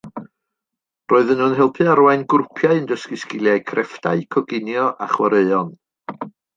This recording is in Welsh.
Roeddwn yn helpu arwain grwpiau yn dysgu sgiliau crefftau, coginio a chwaraeon